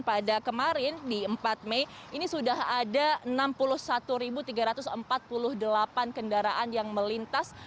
pada kemarin di empat mei ini sudah ada enam puluh satu tiga ratus empat puluh delapan kendaraan yang melintas